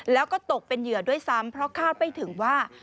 แล้วก็ตกเป็นเหยื่อด้วยซ้ำเพราะคาดไม่ถึงว่า